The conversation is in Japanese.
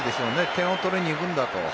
点を取りに行くんだと。